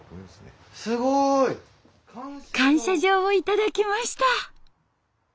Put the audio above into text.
すごい！感謝状を頂きました。